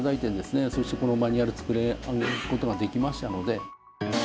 そしてこのマニュアル作ることができましたので。